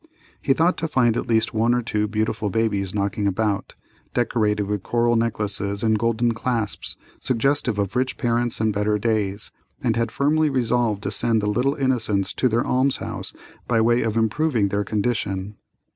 He thought to find at least one or two beautiful babies knocking about, decorated with coral necklaces and golden clasps, suggestive of rich parents and better days, and had firmly resolved to send the little innocents to the alms house by way of improving their condition.